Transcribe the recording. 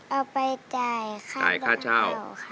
เอาไปจ่ายค่าดังเฉลค่ะ